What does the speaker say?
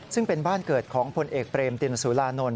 ซึ่งเป็นบ้านเกิดของพลเอกเปรมตินสุรานนท์